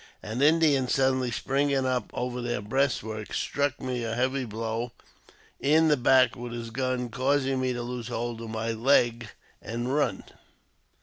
An Indian, suddenly springing over their breast work, struck me a heavy blow in the back with his gun, causing me to loose hold of my leg and run.